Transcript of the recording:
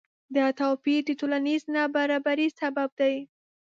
دا توپیر د ټولنیز نابرابری سبب دی.